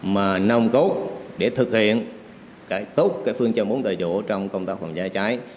mà nông cốt để thực hiện cái tốt cái phương châm bốn tại chỗ trong công tác phòng cháy chữa cháy